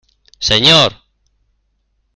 ¡ señor!